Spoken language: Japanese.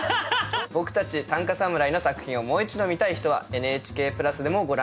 僕たち短歌侍の作品をもう一度見たい人はＮＨＫプラスでもご覧になれます。